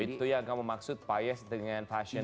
itu yang kamu maksud paes dengan fashion forward ya